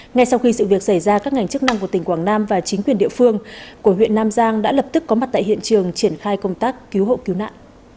ngay sau khi sự việc xảy ra các ngành chức năng của tỉnh quảng nam và chính quyền địa phương của huyện nam giang đã lập tức có mặt tại hiện trường triển khai công tác cứu hộ cứu nạn